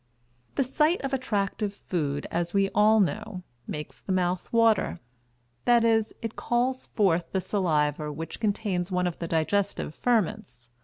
The sight of attractive food, as we all know, "makes the mouth water," that is, it calls forth the saliva which contains one of the digestive ferments.